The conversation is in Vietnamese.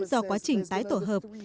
do quá trình tái tổn thương